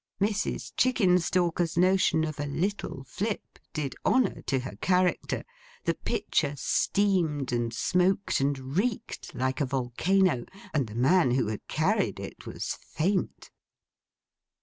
Mrs. Chickenstalker's notion of a little flip did honour to her character. The pitcher steamed and smoked and reeked like a volcano; and the man who had carried it, was faint.